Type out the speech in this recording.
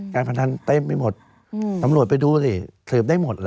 การพนันเต็มไปหมดตำรวจไปดูสิสืบได้หมดเห